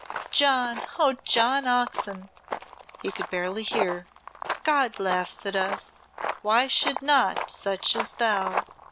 "John Oh, John Oxon!" he could barely hear, "God laughs at us why should not such as thou?"